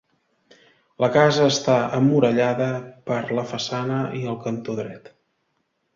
La casa està emmurallada per la façana i al cantó dret.